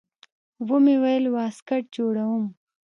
ومې ويل واسکټ جوړوم.